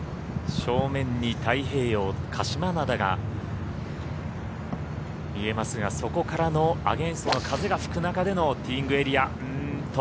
正面に太平洋・鹿島灘が見えますがそこからのアゲンストの風が吹く中でのティーイングエリア。